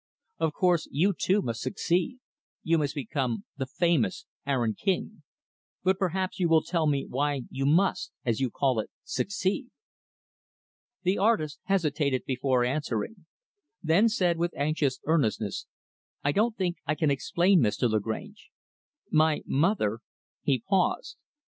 Of course, you, too, must succeed. You must become the famous Aaron King. But perhaps you will tell me why you must, as you call it, succeed?" The artist hesitated before answering; then said with anxious earnestness, "I don't think I can explain Mr. Lagrange. My mother " he paused.